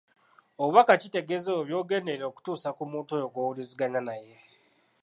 Obubaka kitegeeza ebyo byogenderera okutuusa ku muntu oyo gw'owuliziganya naye.